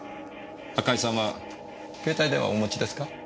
赤井さんは携帯電話お持ちですか？